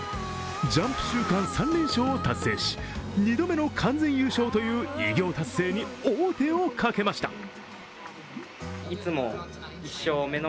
ジャンプ週間３連勝を達成し、２度目の完全優勝という偉業達成に王手をかけました。